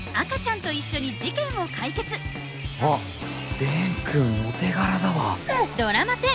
あっ蓮くんお手柄だわ。